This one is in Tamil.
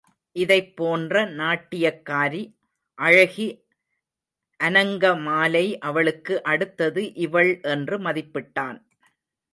இதைப் போன்ற நாட்டியக் காரி அழகி அநங்கமாலை அவளுக்கு அடுத்தது இவள் என்று மதிப்பிட்டான்.